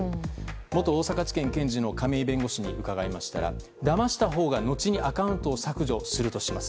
元大阪地検検事の亀井弁護士に伺いましたら、だましたほうが後にアカウントを削除するとします。